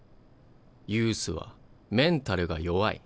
「ユースはメンタルが弱い」。